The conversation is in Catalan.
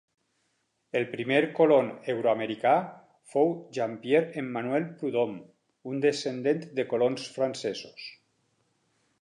El primer colon euro-americà fou Jean Pierre Emanuel Prudhomme, un descendent de colons francesos.